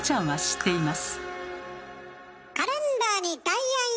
はい。